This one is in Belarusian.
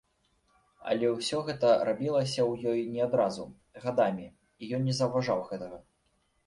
Але ўсё гэта рабілася ў ёй не адразу, гадамі, і ён не заўважаў гэтага.